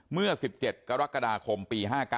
เมื่อ๑๗กรกฎาคมปี๕๙